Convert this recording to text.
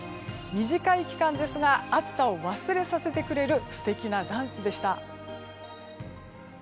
短い期間ですが暑さを忘れさせてくれる素敵なダンスでした。